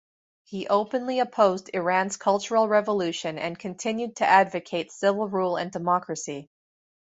He openly opposed Iran's cultural revolution and continued to advocate civil rule and democracy.